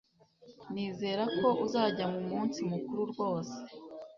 Nizera ko uzajya mu munsi mukuru rwose